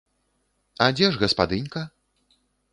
А дзе ж гаспадынька?